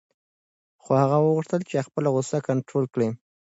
خو هغه وغوښتل چې خپله غوسه کنټرول کړي.